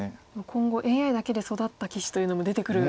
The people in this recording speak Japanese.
今後ＡＩだけで育った棋士というのも出てくる。